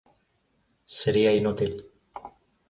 Seria inútil.